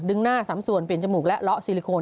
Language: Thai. หน้าสัมส่วนเปลี่ยนจมูกและเลาะซิลิโคน